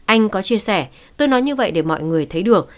anh có chia sẻ tôi nói như vậy để mọi người thấy được